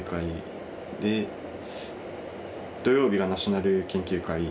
土曜日がナショナル研究会。